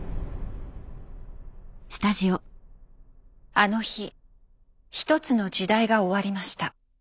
あの日一つの時代が終わりました。